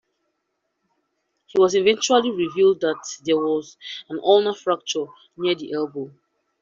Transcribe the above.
It was eventually revealed that there was an ulna fracture near the elbow.